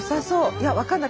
いや分かんない。